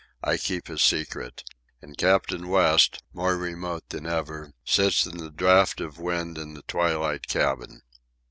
I keep his secret. And Captain West, more remote than ever, sits in the draught of wind in the twilight cabin.